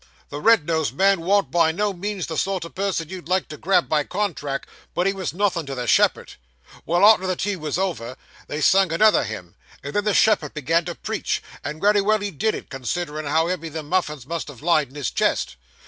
The red nosed man warn't by no means the sort of person you'd like to grub by contract, but he was nothin' to the shepherd. Well; arter the tea was over, they sang another hymn, and then the shepherd began to preach: and wery well he did it, considerin' how heavy them muffins must have lied on his chest.